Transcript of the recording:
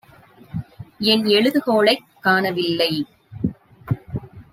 என் எழுதுகோலைக் காணவில்லை.